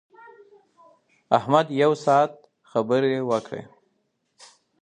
احمد یو ساعت خبرې وکړې.